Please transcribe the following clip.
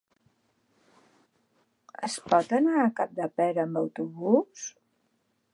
Es pot anar a Capdepera amb autobús?